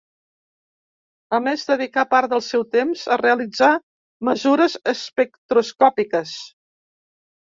A més dedicà part del seu temps a realitzar mesures espectroscòpiques.